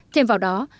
thêm vào đó